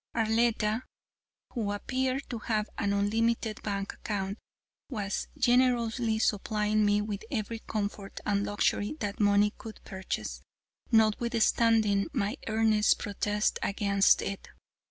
Arletta, who appeared to have an unlimited bank account, was generously supplying me with every comfort and luxury that money could purchase, notwithstanding my earnest protests against it.